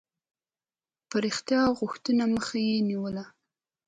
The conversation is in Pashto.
پراختیا غوښتني مخه یې نیوله.